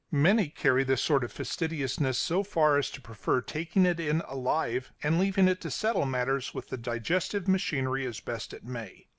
Many carry this sort of fastidiousness so far as to prefer taking it in alive, and leaving it to settle matters with the digestive machinery as best it may.